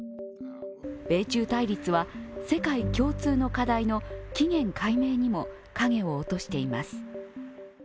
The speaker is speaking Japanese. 米中対立は世界共通の課題の起源解明にも影を落としています。